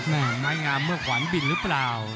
นี่แม่งามเมื่อขวานบิลรึเปล่า